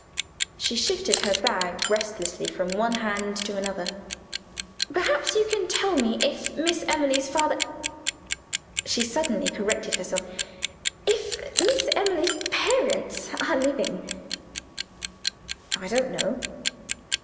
She shifted her bag restlessly from one hand to another. "Perhaps you can tell me if Miss Emily's father " she suddenly corrected herself "if Miss Emily's parents are living?" "I don't know."